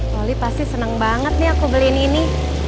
wali pasti senang banget nih aku beliin ini